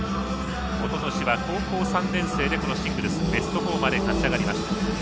おととしは高校３年生でこのシングルスベスト４まで勝ち上がりました。